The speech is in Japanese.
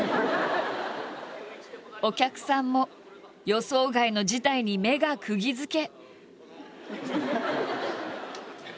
お客さんも予想外の事態に目がくぎづけ。